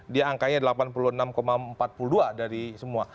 dia angkanya delapan puluh enam empat puluh dua dari semua